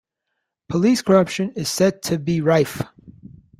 Police corruption is said to be rife.